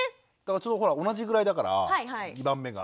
ちょうどほら同じぐらいだから２番目が。